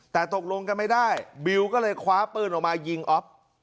แต่ตกลงกันไม่ได้บิวก็เลยคว้าปืนออกมายิงอ๊อฟ